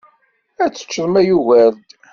Ad teččeḍ ma yugar-d!